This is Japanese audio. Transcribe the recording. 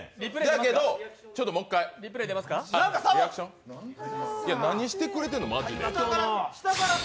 だけど、もう一回。何してくれてんの、マジで。